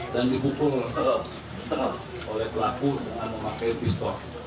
dan dibukul oleh pelaku dengan memakai pistol